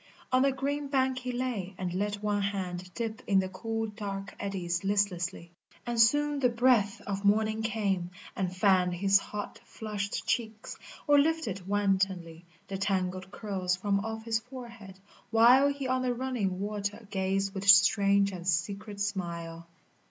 On the green bank he lay, and let one hand Dip in the cool dark eddies listlessly, And soon the breath of morning came and fanned His hot flushed cheeks, or lifted wantonly The tangled curls from off his forehead, while He on the running water gazed with strange and secret smile.